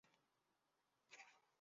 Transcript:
大浪泵社